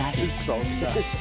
そんな！